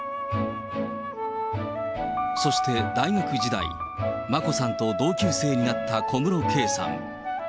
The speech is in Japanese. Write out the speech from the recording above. そして大学時代、眞子さんと同級生になった小室圭さん。